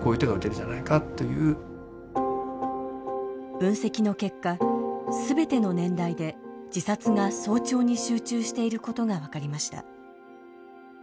分析の結果全ての年代で自殺が早朝に集中していることが分かりました。